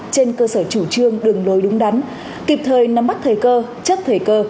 trên cơ sở chủ trương đường lối đúng đắn kịp thời nắm bắt thời cơ chất thời cơ